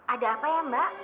ada apa ya mbak